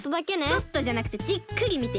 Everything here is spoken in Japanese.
ちょっとじゃなくてじっくりみてよ！